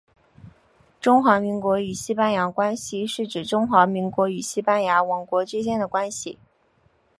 中华民国与西班牙关系是指中华民国与西班牙王国之间的关系。